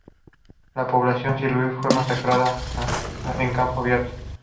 La población civil fue masacrada en campo abierto.